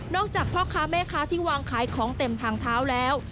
อกจากพ่อค้าแม่ค้าที่วางขายของเต็มทางเท้าแล้ว